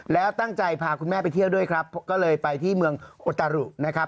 แล้วตั้งใจพาคุณแม่ไปเที่ยวด้วยครับก็เลยไปที่เมืองโอตารุนะครับ